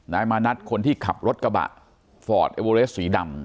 นายมานัดคนที่ขับรถกระบะฟอร์ดเอเวอเรสสีดำ